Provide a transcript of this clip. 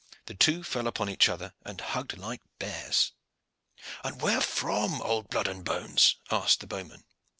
The two fell upon each other and hugged like bears. "And where from, old blood and bones?" asked the bowman.